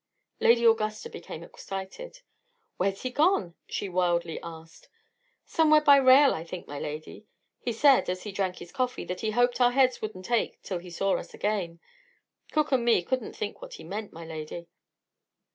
Lady Augusta became excited. "Where's he gone?" she wildly asked. "Somewhere by rail, I think, my lady. He said, as he drank his coffee, that he hoped our heads wouldn't ache till he saw us again. Cook and me couldn't think what he meant, my lady."